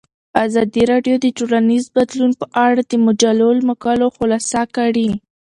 ازادي راډیو د ټولنیز بدلون په اړه د مجلو مقالو خلاصه کړې.